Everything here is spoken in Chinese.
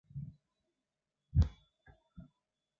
它也在日本榜上有名。